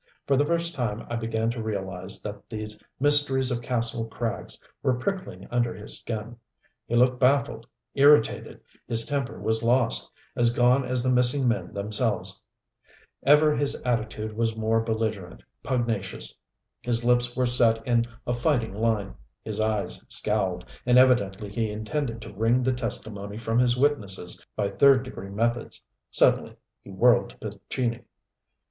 For the first time I began to realize that these mysteries of Kastle Krags were pricking under his skin. He looked baffled, irritated, his temper was lost, as gone as the missing men themselves. Ever his attitude was more belligerent, pugnacious. His lips were set in a fighting line, his eyes scowled, and evidently he intended to wring the testimony from his witnesses by third degree methods. Suddenly he whirled to Pescini.